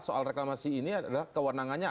soal reklamasi ini adalah kewenangannya